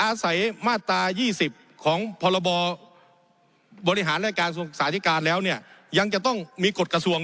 ในมาตรา๒๐ของพลบลมริหารแรกการสนุนสายที่การแล้วเนี่ยอย่างจะต้องมีกฎกระทรวง